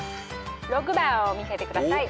６番を見せてください。